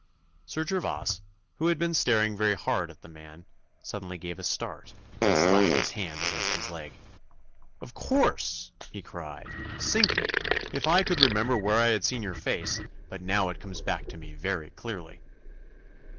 Sir Gervas, who had been staring very hard at the man, suddenly gave a start, and slapped his hand against his leg. 'Of course!' he cried. 'Sink me, if I could remember where I had seen your face, but now it comes back to me very clearly.